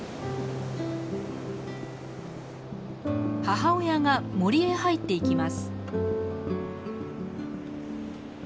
母親が森へ入っていきます。